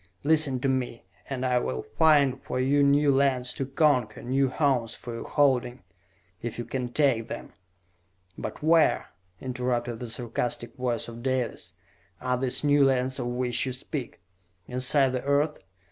Listen to me, and I will find for you new lands to conquer, new homes for your holding, if ye can take them!" "But where," interrupted the sarcastic voice of Dalis, "are these new lands of which you speak? Inside the Earth?